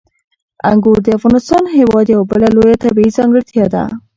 انګور د افغانستان هېواد یوه بله لویه طبیعي ځانګړتیا ده.